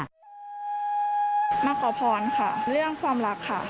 มาขอพรค่ะเรื่องความรักค่ะ